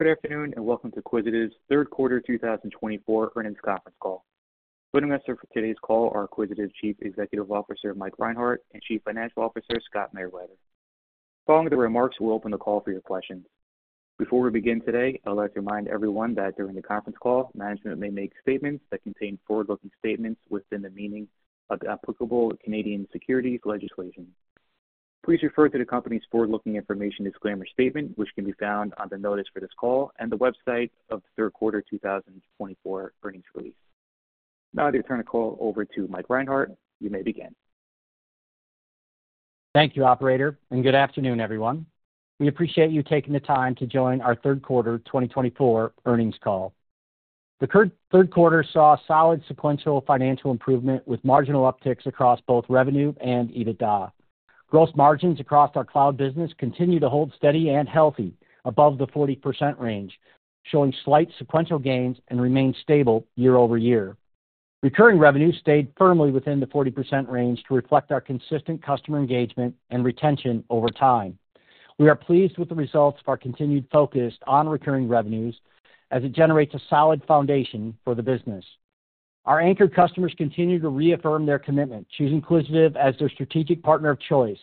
Good afternoon and welcome to Quisitive's third quarter 2024 earnings conference call. Joining us for today's call are Quisitive Chief Executive Officer Mike Reinhart and Chief Financial Officer Scott Meriwether. Following the remarks, we'll open the call for your questions. Before we begin today, I'd like to remind everyone that during the conference call, management may make statements that contain forward-looking statements within the meaning of applicable Canadian securities legislation. Please refer to the company's forward-looking information disclaimer statement, which can be found on the notice for this call and the website of the third quarter 2024 earnings release. Now, I'd like to turn the call over to Mike Reinhart. You may begin. Thank you, Operator, and good afternoon, everyone. We appreciate you taking the time to join our third quarter 2024 earnings call. The third quarter saw solid sequential financial improvement with marginal upticks across both revenue and EBITDA. Gross margins across our cloud business continue to hold steady and healthy above the 40% range, showing slight sequential gains and remain stable year-over-year. Recurring revenues stayed firmly within the 40% range to reflect our consistent customer engagement and retention over time. We are pleased with the results of our continued focus on recurring revenues as it generates a solid foundation for the business. Our anchor customers continue to reaffirm their commitment to use Quisitive as their strategic partner of choice,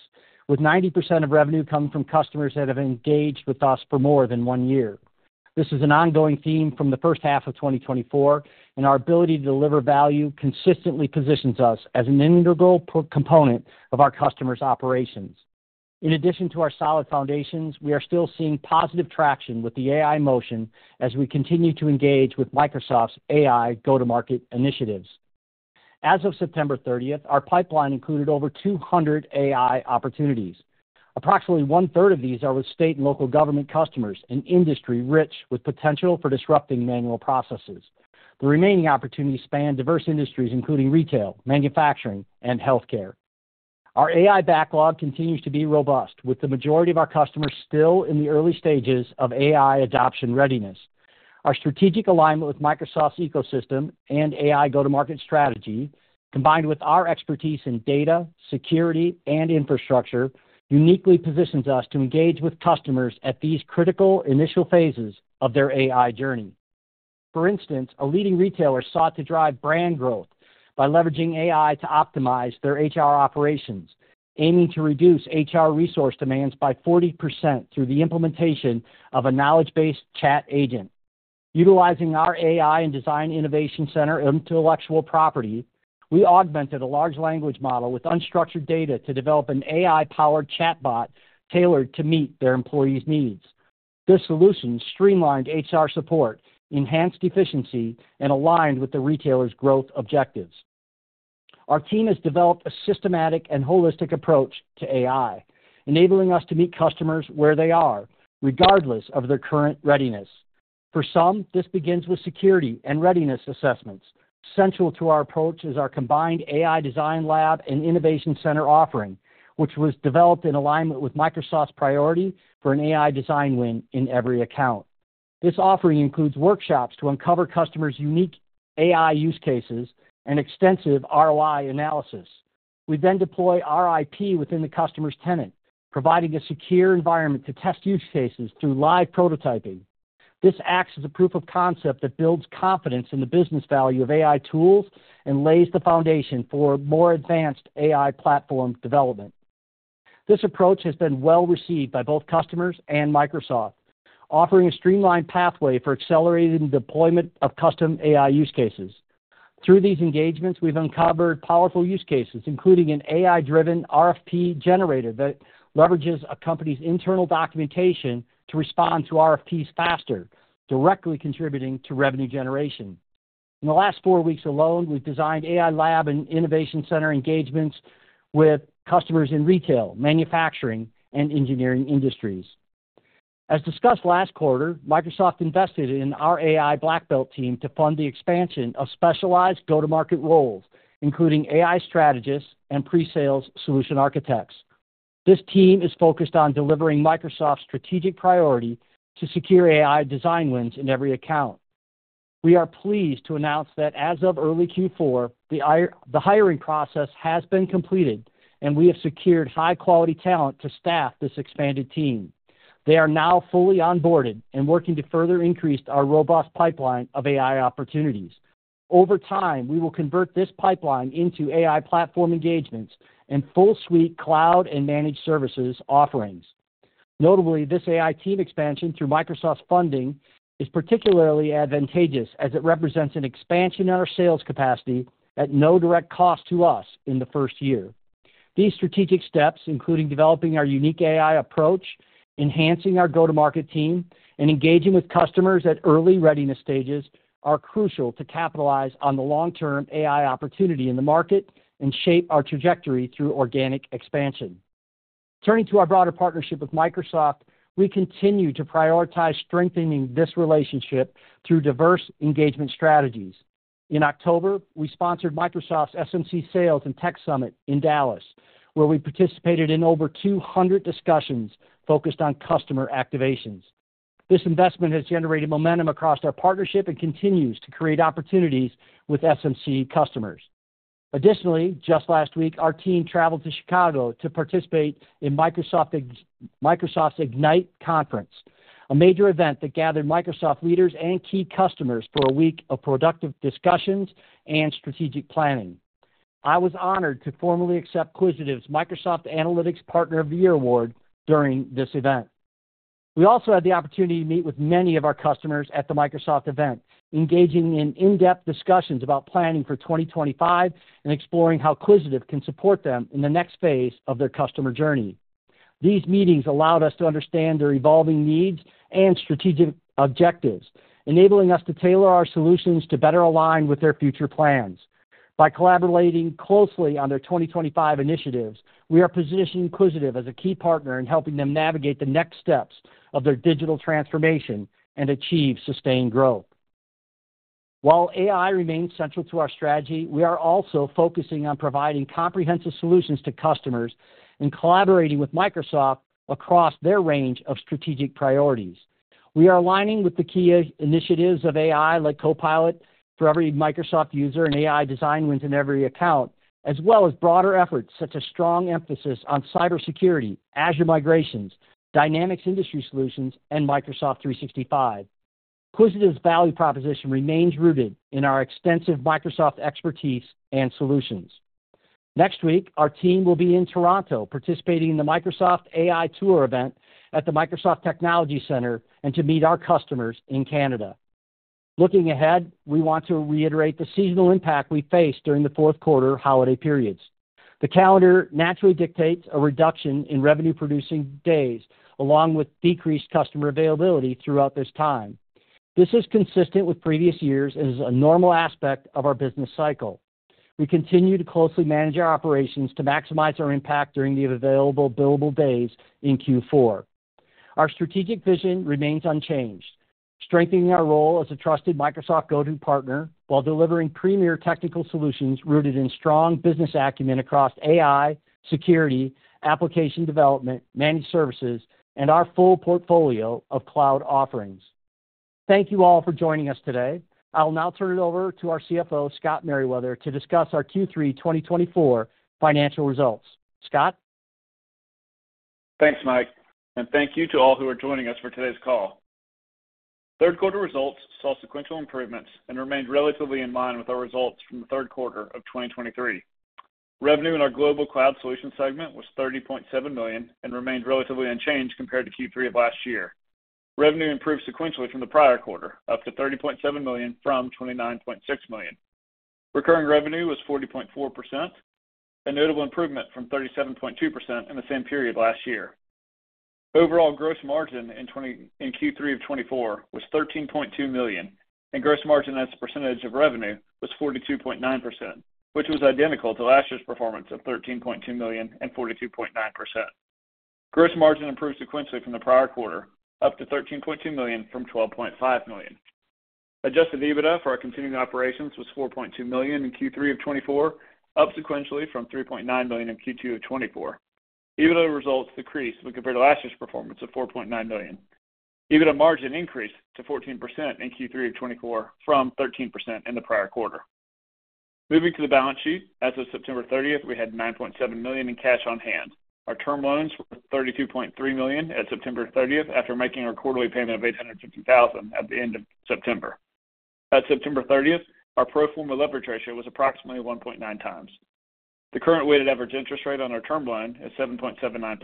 with 90% of revenue coming from customers that have engaged with us for more than one year. This is an ongoing theme from the first half of 2024, and our ability to deliver value consistently positions us as an integral component of our customers' operations. In addition to our solid foundations, we are still seeing positive traction with the AI motion as we continue to engage with Microsoft's AI go-to-market initiatives. As of September 30th, our pipeline included over 200 AI opportunities. Approximately 1/3 of these are with state and local government customers and industry-rich, with potential for disrupting manual processes. The remaining opportunities span diverse industries, including retail, manufacturing, and healthcare. Our AI backlog continues to be robust, with the majority of our customers still in the early stages of AI adoption readiness. Our strategic alignment with Microsoft's ecosystem and AI go-to-market strategy, combined with our expertise in data, security, and infrastructure, uniquely positions us to engage with customers at these critical initial phases of their AI journey. For instance, a leading retailer sought to drive brand growth by leveraging AI to optimize their HR operations, aiming to reduce HR resource demands by 40% through the implementation of a knowledge-based chat agent. Utilizing our AI Design Innovation Center intellectual property, we augmented a large language model with unstructured data to develop an AI-powered chatbot tailored to meet their employees' needs. This solution streamlined HR support, enhanced efficiency, and aligned with the retailer's growth objectives. Our team has developed a systematic and holistic approach to AI, enabling us to meet customers where they are, regardless of their current readiness. For some, this begins with security and readiness assessments. Central to our approach is our combined AI Design Lab and Innovation Center offering, which was developed in alignment with Microsoft's priority for an AI design win in every account. This offering includes workshops to uncover customers' unique AI use cases and extensive ROI analysis. We then deploy RIP within the customer's tenant, providing a secure environment to test use cases through live prototyping. This acts as a proof of concept that builds confidence in the business value of AI tools and lays the foundation for more advanced AI platform development. This approach has been well received by both customers and Microsoft, offering a streamlined pathway for accelerating the deployment of custom AI use cases. Through these engagements, we've uncovered powerful use cases, including an AI-driven RFP generator that leverages a company's internal documentation to respond to RFPs faster, directly contributing to revenue generation. In the last four weeks alone, we've designed AI Lab and Innovation Center engagements with customers in retail, manufacturing, and engineering industries. As discussed last quarter, Microsoft invested in our AI Black Belt team to fund the expansion of specialized go-to-market roles, including AI strategists and presales solution architects. This team is focused on delivering Microsoft's strategic priority to secure AI design wins in every account. We are pleased to announce that as of early Q4, the hiring process has been completed, and we have secured high-quality talent to staff this expanded team. They are now fully onboarded and working to further increase our robust pipeline of AI opportunities. Over time, we will convert this pipeline into AI platform engagements and full-suite cloud and managed services offerings. Notably, this AI team expansion through Microsoft's funding is particularly advantageous as it represents an expansion in our sales capacity at no direct cost to us in the first year. These strategic steps, including developing our unique AI approach, enhancing our go-to-market team, and engaging with customers at early readiness stages, are crucial to capitalize on the long-term AI opportunity in the market and shape our trajectory through organic expansion. Turning to our broader partnership with Microsoft, we continue to prioritize strengthening this relationship through diverse engagement strategies. In October, we sponsored Microsoft's SMC Sales and Tech Summit in Dallas, where we participated in over 200 discussions focused on customer activations. This investment has generated momentum across our partnership and continues to create opportunities with SMC customers. Additionally, just last week, our team traveled to Chicago to participate in Microsoft's Ignite Conference, a major event that gathered Microsoft leaders and key customers for a week of productive discussions and strategic planning. I was honored to formally accept Quisitive's Microsoft Analytics Partner of the Year Award during this event. We also had the opportunity to meet with many of our customers at the Microsoft event, engaging in in-depth discussions about planning for 2025 and exploring how Quisitive can support them in the next phase of their customer journey. These meetings allowed us to understand their evolving needs and strategic objectives, enabling us to tailor our solutions to better align with their future plans. By collaborating closely on their 2025 initiatives, we are positioning Quisitive as a key partner in helping them navigate the next steps of their digital transformation and achieve sustained growth. While AI remains central to our strategy, we are also focusing on providing comprehensive solutions to customers and collaborating with Microsoft across their range of strategic priorities. We are aligning with the key initiatives of AI like Copilot for every Microsoft user and AI design wins in every account, as well as broader efforts such as strong emphasis on cybersecurity, Azure migrations, Dynamics Industry Solutions, and Microsoft 365. Quisitive's value proposition remains rooted in our extensive Microsoft expertise and solutions. Next week, our team will be in Toronto participating in the Microsoft AI Tour event at the Microsoft Technology Center and to meet our customers in Canada. Looking ahead, we want to reiterate the seasonal impact we faced during the fourth quarter holiday periods. The calendar naturally dictates a reduction in revenue-producing days, along with decreased customer availability throughout this time. This is consistent with previous years and is a normal aspect of our business cycle. We continue to closely manage our operations to maximize our impact during the available billable days in Q4. Our strategic vision remains unchanged, strengthening our role as a trusted Microsoft go-to partner while delivering premier technical solutions rooted in strong business acumen across AI, security, application development, managed services, and our full portfolio of cloud offerings. Thank you all for joining us today. I'll now turn it over to our CFO, Scott Meriwether, to discuss our Q3 2024 financial results. Scott? Thanks, Mike. And thank you to all who are joining us for today's call. Third quarter results saw sequential improvements and remained relatively in line with our results from the third quarter of 2023. Revenue in our Global Cloud Solutions segment was $30.7 million and remained relatively unchanged compared to Q3 of last year. Revenue improved sequentially from the prior quarter up to $30.7 million from $29.6 million. Recurring revenue was 40.4%, a notable improvement from 37.2% in the same period last year. Overall gross margin in Q3 of 2024 was $13.2 million, and gross margin as a percentage of revenue was 42.9%, which was identical to last year's performance of $13.2 million and 42.9%. Gross margin improved sequentially from the prior quarter up to $13.2 million from $12.5 million. Adjusted EBITDA for our continuing operations was $4.2 million in Q3 of 2024, up sequentially from $3.9 million in Q2 of 2024. EBITDA results decreased when compared to last year's performance of $4.9 million. EBITDA margin increased to 14% in Q3 of 2024 from 13% in the prior quarter. Moving to the balance sheet, as of September 30th, we had $9.7 million in cash on hand. Our term loans were $32.3 million at September 30th after making our quarterly payment of $850,000 at the end of September. At September 30th, our pro forma leverage ratio was approximately 1.9x. The current weighted average interest rate on our term loan is 7.79%.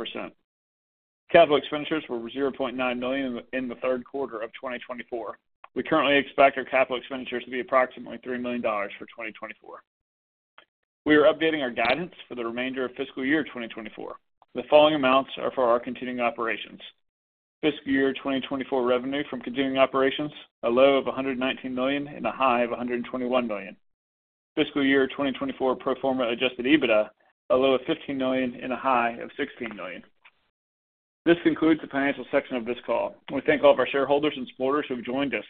Capital expenditures were $0.9 million in the third quarter of 2024. We currently expect our capital expenditures to be approximately $3 million for 2024. We are updating our guidance for the remainder of fiscal year 2024. The following amounts are for our continuing operations: fiscal year 2024 revenue from continuing operations, a low of $119 million and a high of $121 million. Fiscal year 2024 pro forma adjusted EBITDA, a low of $15 million and a high of $16 million. This concludes the financial section of this call. We thank all of our shareholders and supporters who have joined us.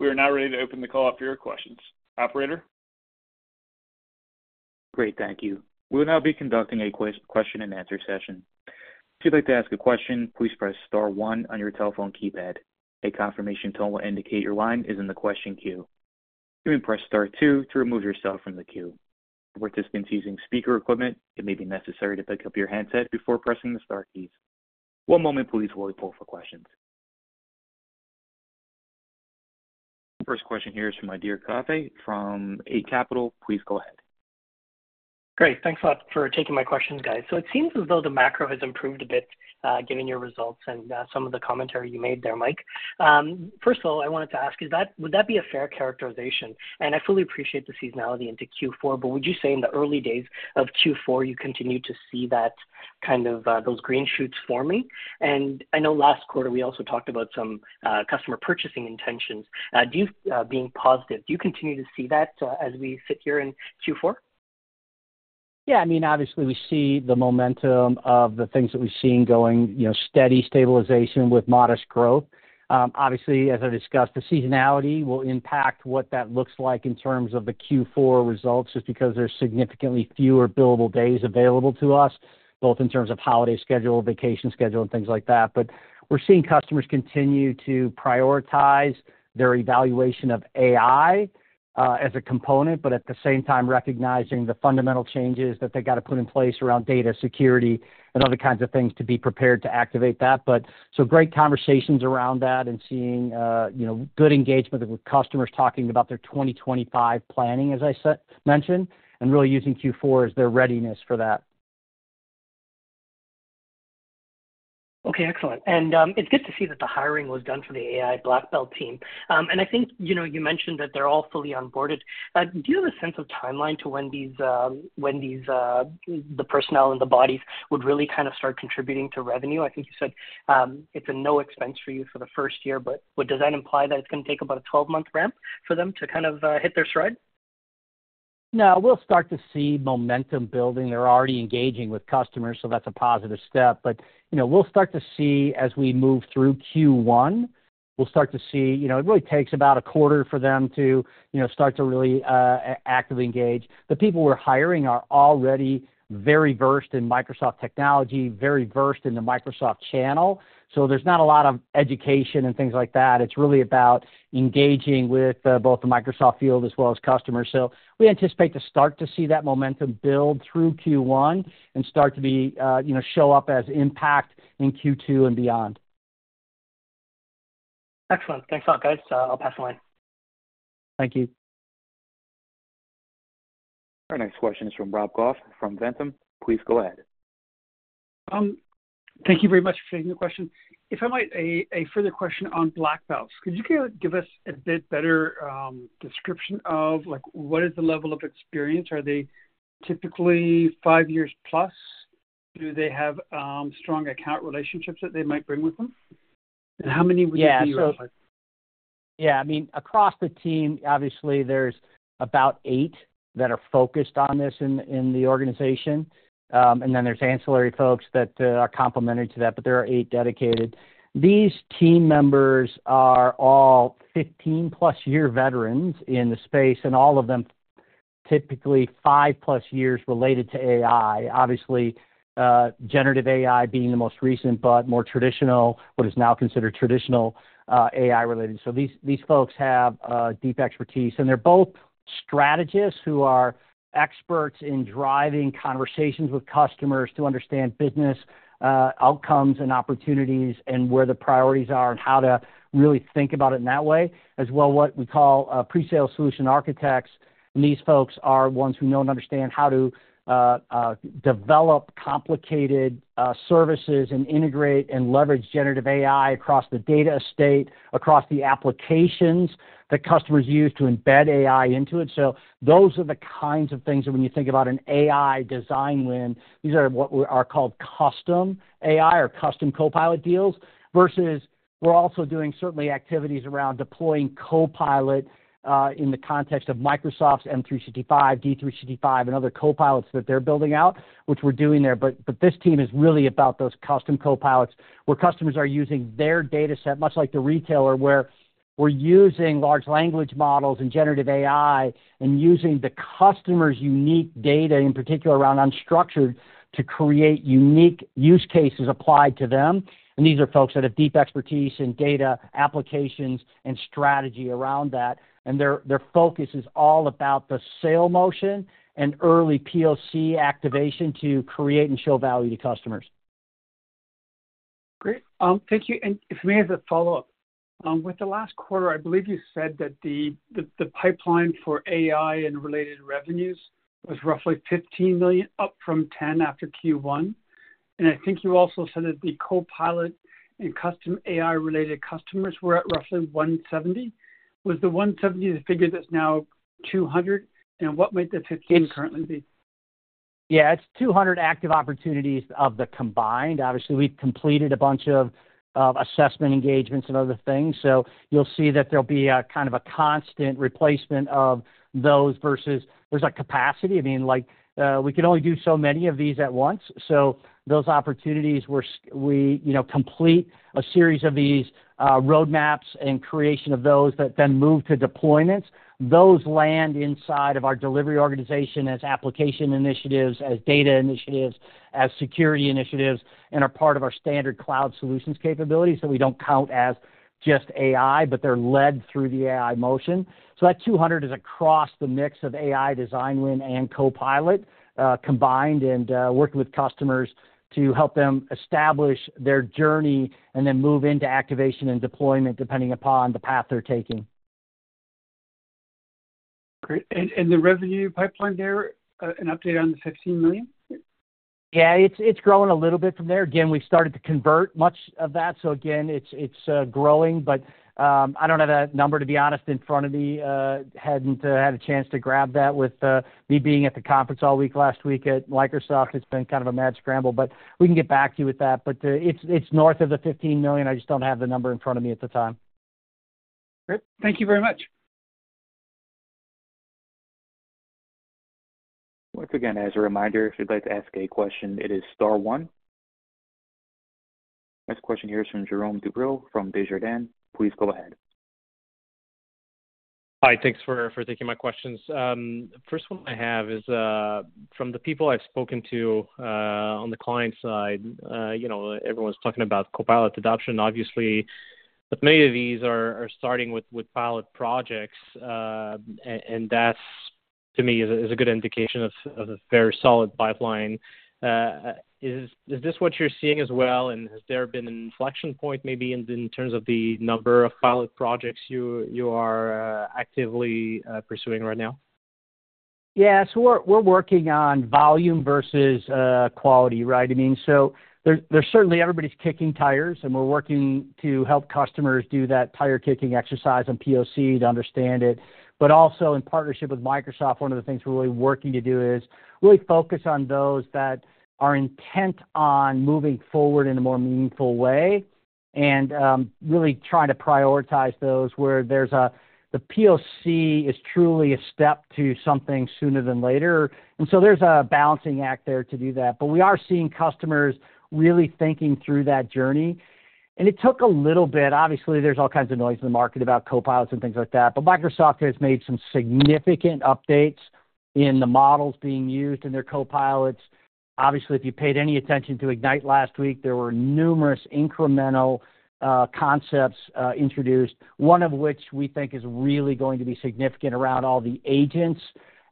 We are now ready to open the call up for your questions. Operator? Great. Thank you. We'll now be conducting a question and answer session. If you'd like to ask a question, please press star one on your telephone keypad. A confirmation tone will indicate your line is in the question queue. You may press star two to remove yourself from the queue. For participants using speaker equipment, it may be necessary to pick up your handset before pressing the star keys. One moment, please, while we pull for questions. First question here is from Adhir Kadve from Eight Capital. Please go ahead. Great. Thanks a lot for taking my questions, guys. So it seems as though the macro has improved a bit, given your results and some of the commentary you made there, Mike. First of all, I wanted to ask, would that be a fair characterization? And I fully appreciate the seasonality into Q4, but would you say in the early days of Q4, you continue to see that kind of those green shoots forming? And I know last quarter we also talked about some customer purchasing intentions. Do you being positive, do you continue to see that as we sit here in Q4? Yeah. I mean, obviously, we see the momentum of the things that we've seen going, steady stabilization with modest growth. Obviously, as I discussed, the seasonality will impact what that looks like in terms of the Q4 results, just because there's significantly fewer billable days available to us, both in terms of holiday schedule, vacation schedule, and things like that. But we're seeing customers continue to prioritize their evaluation of AI as a component, but at the same time, recognizing the fundamental changes that they've got to put in place around data security and other kinds of things to be prepared to activate that. But some great conversations around that and seeing good engagement with customers talking about their 2025 planning, as I mentioned, and really using Q4 as their readiness for that. Okay. Excellent. And it's good to see that the hiring was done for the AI Black Belt team. And I think you mentioned that they're all fully onboarded. Do you have a sense of timeline to when the personnel and the bodies would really kind of start contributing to revenue? I think you said it's a no expense for you for the first year, but does that imply that it's going to take about a 12-month ramp for them to kind of hit their stride? No. We'll start to see momentum building. They're already engaging with customers, so that's a positive step. But we'll start to see as we move through Q1, we'll start to see it really takes about a quarter for them to start to really actively engage. The people we're hiring are already very versed in Microsoft technology, very versed in the Microsoft channel. So there's not a lot of education and things like that. It's really about engaging with both the Microsoft field as well as customers. So we anticipate to start to see that momentum build through Q1 and start to show up as impact in Q2 and beyond. Excellent. Thanks a lot, guys. I'll pass the mic. Thank you. Our next question is from Rob Goff from Ventum. Please go ahead. Thank you very much for taking the question. If I might, a further question on Black Belts. Could you give us a bit better description of what is the level of experience? Are they typically five years plus? Do they have strong account relationships that they might bring with them? And how many would it be? Yeah. So yeah, I mean, across the team, obviously, there's about eight that are focused on this in the organization. And then there's ancillary folks that are complementary to that, but there are eight dedicated. These team members are all 15+ year veterans in the space, and all of them typically 5+ years related to AI, obviously, generative AI being the most recent, but more traditional, what is now considered traditional AI-related. So these folks have deep expertise. And they're both strategists who are experts in driving conversations with customers to understand business outcomes and opportunities and where the priorities are and how to really think about it in that way, as well as what we call pre-sale solution architects. These folks are ones who know and understand how to develop complicated services and integrate and leverage generative AI across the data estate, across the applications that customers use to embed AI into it. Those are the kinds of things that when you think about an AI design win, these are what are called custom AI or custom Copilot deals versus we're also doing certainly activities around deploying Copilot in the context of Microsoft's M365, D365, and other Copilots that they're building out, which we're doing there. But this team is really about those custom Copilots where customers are using their data set, much like the retailer where we're using large language models and generative AI and using the customer's unique data, in particular around unstructured, to create unique use cases applied to them. These are folks that have deep expertise in data applications and strategy around that. Their focus is all about the sale motion and early POC activation to create and show value to customers. Great. Thank you. And for me, as a follow-up, with the last quarter, I believe you said that the pipeline for AI and related revenues was roughly $15 million, up from $10 million after Q1. And I think you also said that the Copilot and custom AI-related customers were at roughly 170. Was the 170 the figure that's now 200? And what might the $15 million currently be? Yeah. It's 200 active opportunities of the combined. Obviously, we've completed a bunch of assessment engagements and other things. So you'll see that there'll be kind of a constant replacement of those versus there's a capacity. I mean, we could only do so many of these at once. So those opportunities where we complete a series of these roadmaps and creation of those that then move to deployments, those land inside of our delivery organization as application initiatives, as data initiatives, as security initiatives, and are part of our standard cloud solutions capabilities that we don't count as just AI, but they're led through the AI motion. So that 200 is across the mix of AI design win and Copilot combined and working with customers to help them establish their journey and then move into activation and deployment depending upon the path they're taking. Great, and the revenue pipeline there, an update on the $15 million? Yeah. It's growing a little bit from there. Again, we've started to convert much of that. So again, it's growing. But I don't have that number, to be honest, in front of me. Hadn't had a chance to grab that with me being at the conference all week last week at Microsoft. It's been kind of a mad scramble, but we can get back to you with that. But it's north of the $15 million. I just don't have the number in front of me at the time. Great. Thank you very much. Once again, as a reminder, if you'd like to ask a question, it is star one. Next question here is from Jerome Dubreuil from Desjardins. Please go ahead. Hi. Thanks for taking my questions. First one I have is from the people I've spoken to on the client side. Everyone's talking about Copilot adoption, obviously, but many of these are starting with pilot projects, and that, to me, is a good indication of a very solid pipeline. Is this what you're seeing as well, and has there been an inflection point maybe in terms of the number of pilot projects you are actively pursuing right now? Yeah. So we're working on volume versus quality, right? I mean, so there's certainly everybody's kicking tires, and we're working to help customers do that tire-kicking exercise on POC to understand it. But also, in partnership with Microsoft, one of the things we're really working to do is really focus on those that are intent on moving forward in a more meaningful way and really trying to prioritize those where the POC is truly a step to something sooner than later. And so there's a balancing act there to do that. But we are seeing customers really thinking through that journey. And it took a little bit. Obviously, there's all kinds of noise in the market about Copilots and things like that. But Microsoft has made some significant updates in the models being used in their Copilots. Obviously, if you paid any attention to Ignite last week, there were numerous incremental concepts introduced, one of which we think is really going to be significant around all the agents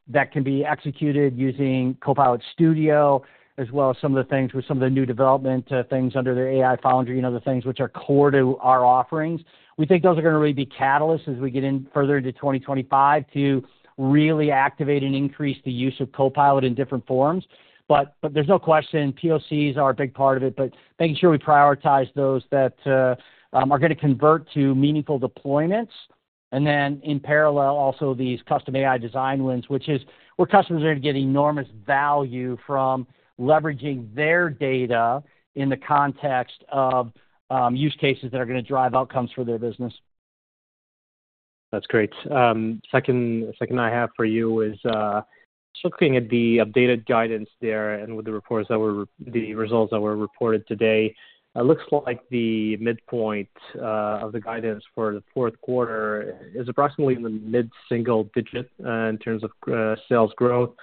that can be executed using Copilot Studio, as well as some of the things with some of the new development things under the AI Foundry, the things which are core to our offerings. We think those are going to really be catalysts as we get in further into 2025 to really activate and increase the use of Copilot in different forms. But there's no question POCs are a big part of it, but making sure we prioritize those that are going to convert to meaningful deployments. And then in parallel, also these custom AI design wins, which is where customers are going to get enormous value from leveraging their data in the context of use cases that are going to drive outcomes for their business. That's great. Second I have for you is just looking at the updated guidance there and with the reports that were the results that were reported today. It looks like the midpoint of the guidance for the fourth quarter is approximately in the mid-single digit in terms of sales growth.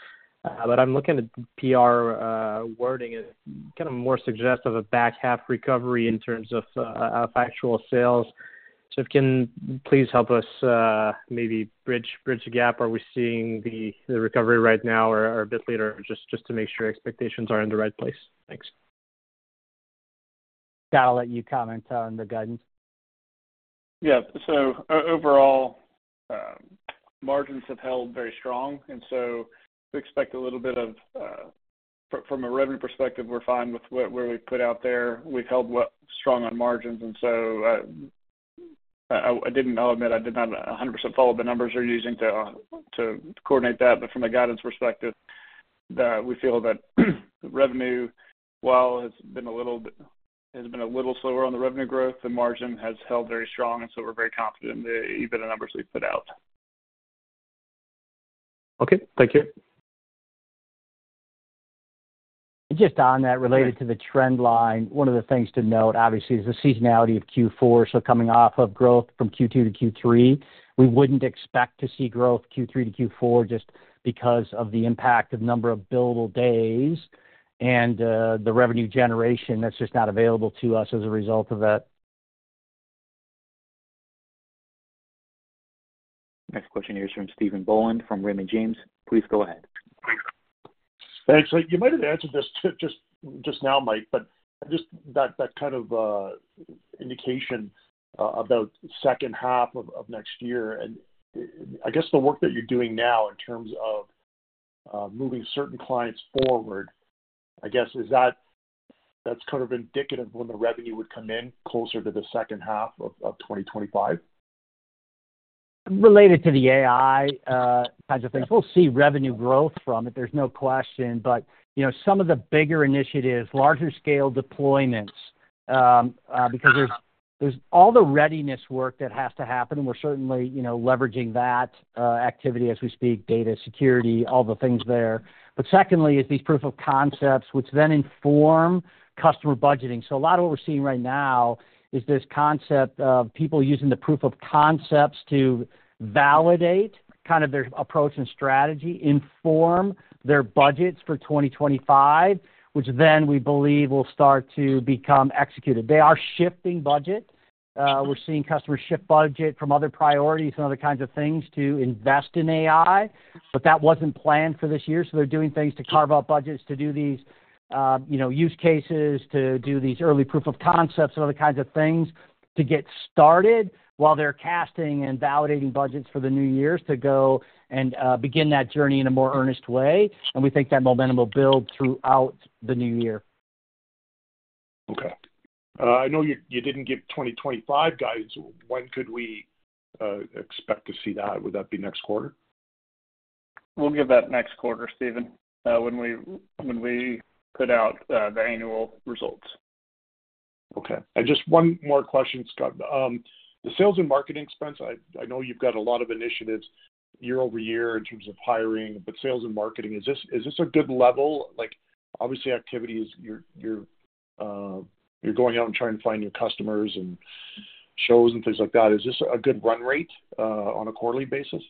But I'm looking at PR wording. It's kind of more suggestive of a back half recovery in terms of actual sales. So if you can please help us maybe bridge the gap. Are we seeing the recovery right now or a bit later? Just to make sure expectations are in the right place. Thanks. Got to let you comment on the guidance. Yeah. So overall, margins have held very strong. And so we expect a little bit off from a revenue perspective, we're fine with where we put out there. We've held strong on margins. And so I'll admit I did not 100% follow the numbers you're using to coordinate that. But from a guidance perspective, we feel that revenue, while it has been a little slower on the revenue growth, the margin has held very strong. And so we're very confident in even the numbers we put out. Okay. Thank you. Just on that related to the trend line, one of the things to note, obviously, is the seasonality of Q4. So coming off of growth from Q2 to Q3, we wouldn't expect to see growth Q3 to Q4 just because of the impact of the number of billable days and the revenue generation that's just not available to us as a result of that. Next question here is from Stephen Boland from Raymond James. Please go ahead. Thanks. You might have answered this just now, Mike, but just that kind of indication about the second half of next year. And I guess the work that you're doing now in terms of moving certain clients forward, I guess, is that that's kind of indicative when the revenue would come in closer to the second half of 2025? Related to the AI kinds of things, we'll see revenue growth from it. There's no question, but some of the bigger initiatives, larger scale deployments, because there's all the readiness work that has to happen, and we're certainly leveraging that activity as we speak, data security, all the things there, but secondly is these proof of concepts, which then inform customer budgeting, so a lot of what we're seeing right now is this concept of people using the proof of concepts to validate kind of their approach and strategy, inform their budgets for 2025, which then we believe will start to become executed. They are shifting budget. We're seeing customers shift budget from other priorities and other kinds of things to invest in AI, but that wasn't planned for this year. They're doing things to carve out budgets to do these use cases, to do these early proof of concepts and other kinds of things to get started while they're casting and validating budgets for the new year to go and begin that journey in a more earnest way. We think that momentum will build throughout the new year. Okay. I know you didn't give 2025 guidance. When could we expect to see that? Would that be next quarter? We'll give that next quarter, Stephen, when we put out the annual results. Okay. And just one more question, Scott. The sales and marketing expense, I know you've got a lot of initiatives year-over-year in terms of hiring, but sales and marketing, is this a good level? Obviously, activities, you're going out and trying to find your customers and shows and things like that. Is this a good run rate on a quarterly basis?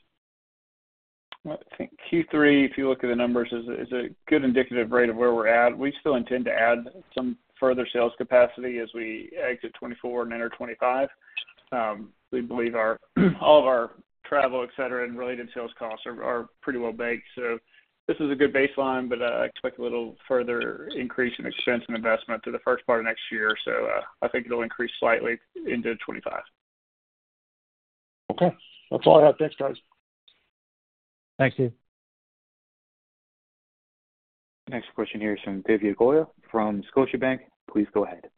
I think Q3, if you look at the numbers, is a good indicative rate of where we're at. We still intend to add some further sales capacity as we exit 2024 and enter 2025. We believe all of our travel, etc., and related sales costs are pretty well baked. So this is a good baseline, but I expect a little further increase in expense and investment through the first part of next year. So I think it'll increase slightly into 2025. Okay. That's all I have. Thanks, guys. Thanks, Steve. Next question here is from Divya Goyal from Scotiabank. Please go ahead.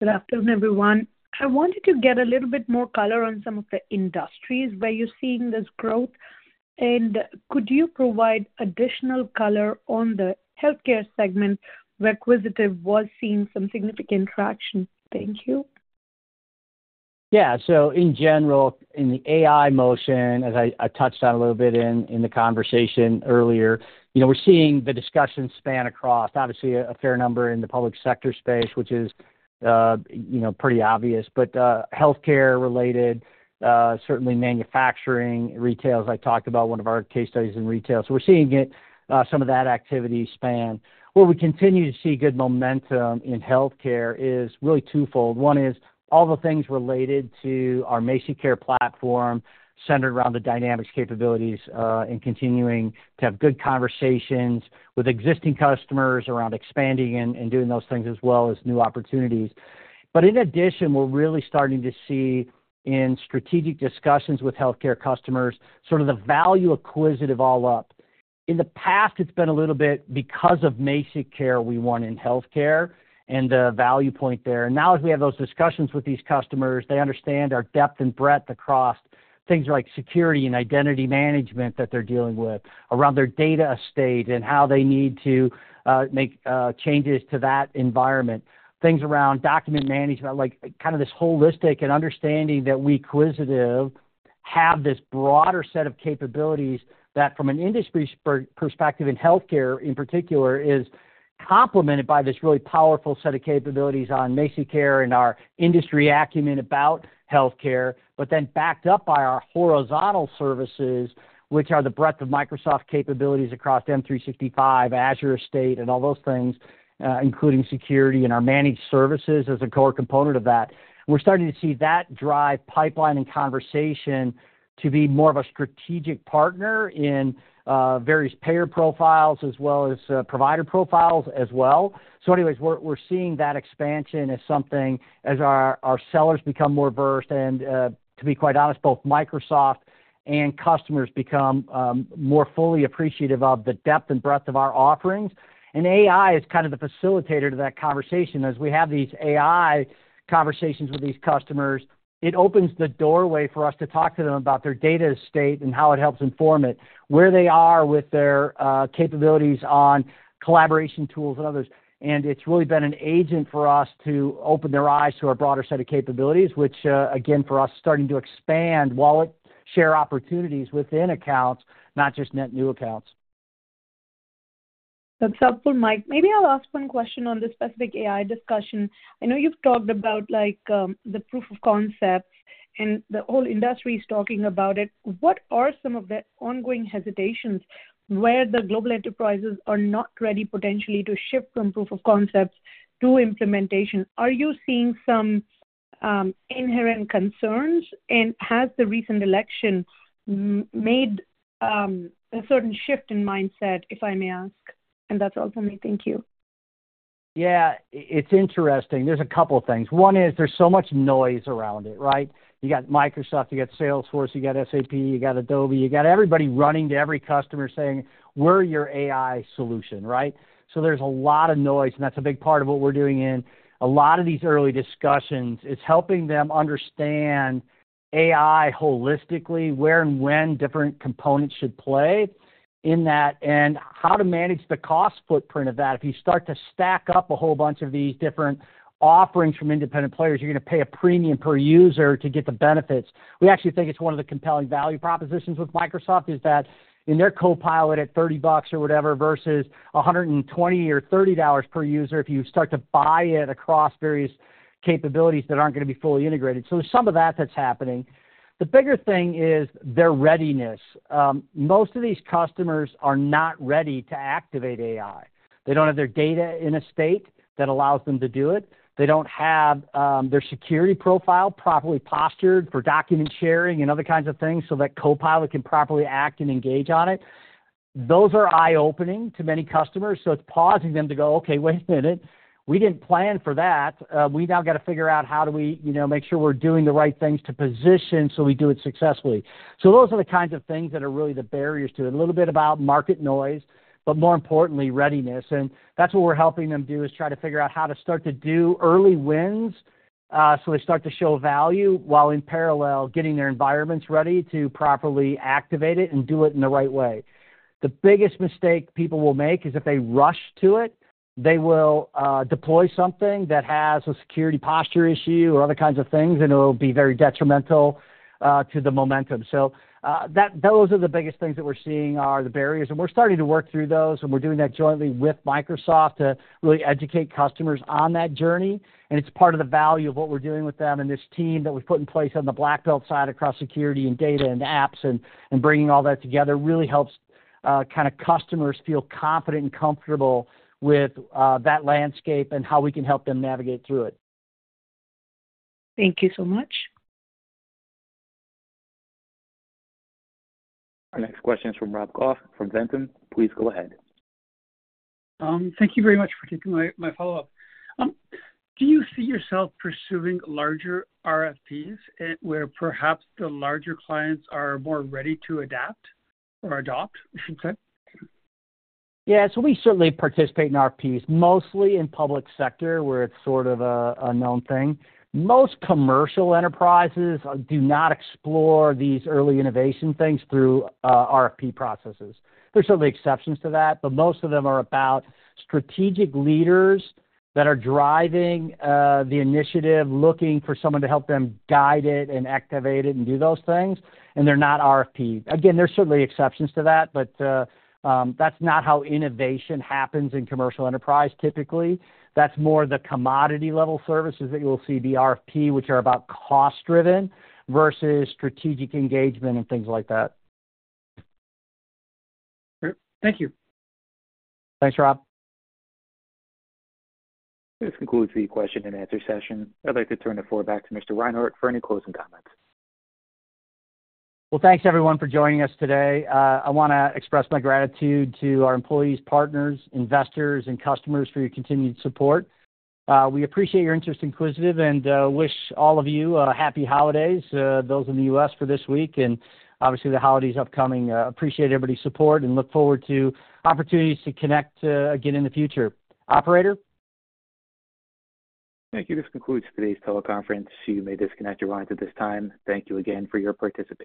Good afternoon, everyone. I wanted to get a little bit more color on some of the industries where you're seeing this growth. And could you provide additional color on the healthcare segment? Quisitive was seeing some significant traction. Thank you. Yeah. So in general, in the AI motion, as I touched on a little bit in the conversation earlier, we're seeing the discussion span across, obviously, a fair number in the public sector space, which is pretty obvious, but healthcare related, certainly manufacturing, retail. I talked about one of our case studies in retail. So we're seeing some of that activity span. Where we continue to see good momentum in healthcare is really twofold. One is all the things related to our MazikCare platform centered around the Dynamics capabilities and continuing to have good conversations with existing customers around expanding and doing those things as well as new opportunities. But in addition, we're really starting to see in strategic discussions with healthcare customers sort of the value Quisitive all up. In the past, it's been a little bit because of MazikCare we won in healthcare and the value point there. And now, as we have those discussions with these customers, they understand our depth and breadth across things like security and identity management that they're dealing with around their data estate and how they need to make changes to that environment. Things around document management, like kind of this holistic and understanding that we Quisitive have this broader set of capabilities that from an industry perspective in healthcare in particular is complemented by this really powerful set of capabilities on MazikCare and our industry acumen about healthcare, but then backed up by our horizontal services, which are the breadth of Microsoft capabilities across M365, Azure estate, and all those things, including security and our managed services as a core component of that. We're starting to see that drive pipeline and conversation to be more of a strategic partner in various payer profiles as well as provider profiles as well. So anyways, we're seeing that expansion as something as our sellers become more versed. And to be quite honest, both Microsoft and customers become more fully appreciative of the depth and breadth of our offerings. And AI is kind of the facilitator to that conversation. As we have these AI conversations with these customers, it opens the doorway for us to talk to them about their data estate and how it helps inform it, where they are with their capabilities on collaboration tools and others. And it's really been an agent for us to open their eyes to our broader set of capabilities, which, again, for us, is starting to expand wallet share opportunities within accounts, not just net new accounts. That's helpful, Mike. Maybe I'll ask one question on the specific AI discussion. I know you've talked about the proof of concept, and the whole industry is talking about it. What are some of the ongoing hesitations where the global enterprises are not ready potentially to shift from proof of concepts to implementation? Are you seeing some inherent concerns? And has the recent election made a certain shift in mindset, if I may ask? And that's all for me. Thank you. Yeah. It's interesting. There's a couple of things. One is there's so much noise around it, right? You got Microsoft, you got Salesforce, you got SAP, you got Adobe, you got everybody running to every customer saying, "We're your AI solution," right? So there's a lot of noise, and that's a big part of what we're doing in a lot of these early discussions is helping them understand AI holistically, where and when different components should play in that, and how to manage the cost footprint of that. If you start to stack up a whole bunch of these different offerings from independent players, you're going to pay a premium per user to get the benefits. We actually think it's one of the compelling value propositions with Microsoft is that in their Copilot at $30 or whatever versus $120 or $30 per user if you start to buy it across various capabilities that aren't going to be fully integrated. So there's some of that that's happening. The bigger thing is their readiness. Most of these customers are not ready to activate AI. They don't have their data in a state that allows them to do it. They don't have their security profile properly postured for document sharing and other kinds of things so that Copilot can properly act and engage on it. Those are eye-opening to many customers. So it's pausing them to go, "Okay, wait a minute. We didn't plan for that. We now got to figure out how do we make sure we're doing the right things to position so we do it successfully." So those are the kinds of things that are really the barriers to it. A little bit about market noise, but more importantly, readiness. And that's what we're helping them do is try to figure out how to start to do early wins so they start to show value while in parallel getting their environments ready to properly activate it and do it in the right way. The biggest mistake people will make is if they rush to it, they will deploy something that has a security posture issue or other kinds of things, and it will be very detrimental to the momentum. So those are the biggest things that we're seeing are the barriers. And we're starting to work through those. And we're doing that jointly with Microsoft to really educate customers on that journey. And it's part of the value of what we're doing with them and this team that we've put in place on the Black Belt side across security and data and apps and bringing all that together really helps kind of customers feel confident and comfortable with that landscape and how we can help them navigate through it. Thank you so much. Our next question is from Rob Goff from Ventum. Please go ahead. Thank you very much for taking my follow-up. Do you see yourself pursuing larger RFPs where perhaps the larger clients are more ready to adapt or adopt, I should say? Yeah. So we certainly participate in RFPs, mostly in public sector where it's sort of a known thing. Most commercial enterprises do not explore these early innovation things through RFP processes. There's certainly exceptions to that, but most of them are about strategic leaders that are driving the initiative, looking for someone to help them guide it and activate it and do those things. And they're not RFP. Again, there's certainly exceptions to that, but that's not how innovation happens in commercial enterprise typically. That's more the commodity-level services that you'll see be RFP, which are about cost-driven versus strategic engagement and things like that. Great. Thank you. Thanks, Rob. This concludes the question and answer session. I'd like to turn the floor back to Mr. Reinhart for any closing comments. Well, thanks, everyone, for joining us today. I want to express my gratitude to our employees, partners, investors, and customers for your continued support. We appreciate your interest in Quisitive and wish all of you happy holidays, those in the U.S. for this week and obviously the holidays upcoming. Appreciate everybody's support and look forward to opportunities to connect again in the future. Operator. Thank you. This concludes today's teleconference. You may disconnect your lines at this time. Thank you again for your participation.